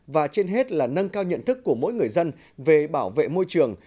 và trên hết là nâng cao nhận thức của mỗi người dân về bảo vệ môi trường